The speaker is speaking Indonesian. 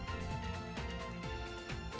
sepadan dengan suasana desa yang didapat